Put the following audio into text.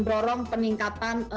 terutama untuk prediksi pengetahuan